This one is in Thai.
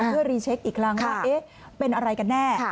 เพื่อรีเช็คอีกครั้งว่าเป็นอะไรกันแน่